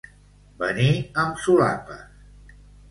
Venir amb solapes.